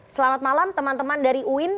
selamat malam teman teman dari uin